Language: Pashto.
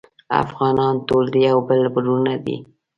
افغانان ټول د یو بل وروڼه دی